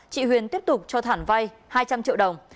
chị huyền tiếp tục cho thản vay hai trăm linh triệu đồng